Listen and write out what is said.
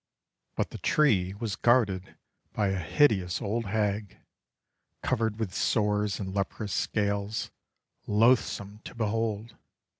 But the tree was guarded by a hideous old hag, covered with sores and leprous scales, loathsome to behold.